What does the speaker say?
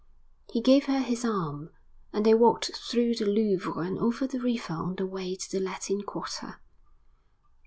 He gave her his arm, and they walked through the Louvre and over the river on their way to the Latin Quarter.